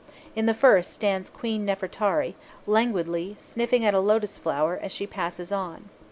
In the first stands Queen Nefertari, languidly sniffing at a lotus flower as she passes on.